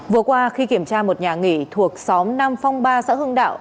vừa qua khi kiểm tra một nhà nghỉ thuộc xóm nam phong ba xã hưng đạo